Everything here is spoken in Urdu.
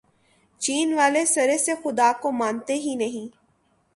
چین والے سرے سے خدا کو مانتے ہی نہیں۔